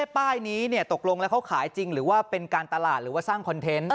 ป้ายนี้ตกลงแล้วเขาขายจริงหรือว่าเป็นการตลาดหรือว่าสร้างคอนเทนต์